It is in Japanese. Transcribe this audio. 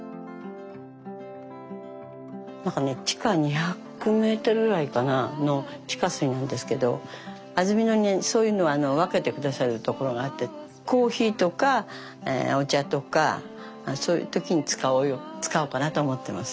地下２００メートルぐらいの地下水なんですけど安曇野にそういうのを分けて下さるところがあってコーヒーとかお茶とかそういう時に使おうかなと思ってます。